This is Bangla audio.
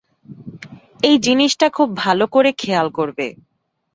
এই জিনিসটা খুব ভালো করে খেয়াল করবে।